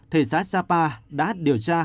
thì xã sapa đã điều tra